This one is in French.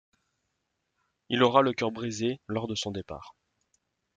Il aura le cœur brisé lors de son départ.